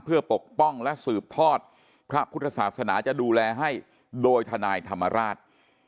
เพื่อปกป้องและสืบทอดพระพุทธศาสนาจะดูแลให้โดยทนายธรรมราช